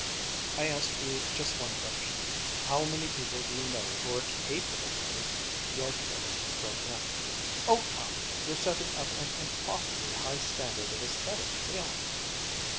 I ask you just one question, How many people do you know who are capable of " The art critic broke in: "Oh come! You're setting up an impossibly high standard of aesthetic feeling."